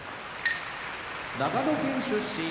長野県出身